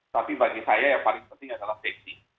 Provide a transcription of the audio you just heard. tapi bagi saya yang paling penting adalah seksi